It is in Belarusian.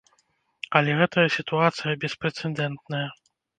Але гэтая сітуацыя беспрэцэдэнтная.